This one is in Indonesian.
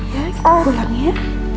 ya kita pulang ya